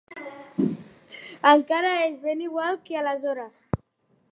Encara és ben igual que aleshores.